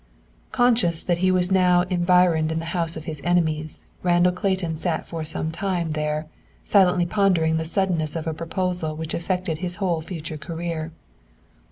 Conscious that he was now environed in the house of his enemies, Randall Clayton sat for some time there, silently pondering the suddenness of a proposal which affected his whole future career.